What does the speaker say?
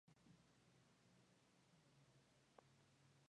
Por lo general se esperaría que el verbo principal estuviera en indicativo.